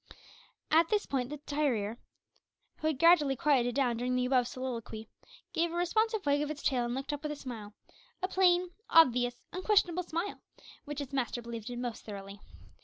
At this point the terrier, who had gradually quieted down during the above soliloquy, gave a responsive wag of its tail, and looked up with a smile a plain, obvious, unquestionable smile, which its master believed in most thoroughly.